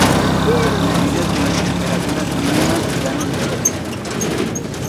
Las medias de las temperaturas mínimas se dan en invierno.